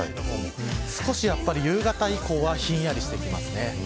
少し夕方以降はひんやりしてきます。